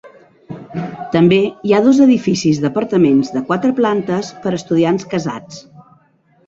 També hi ha dos edificis d'apartaments de quatre plantes per a estudiants casats.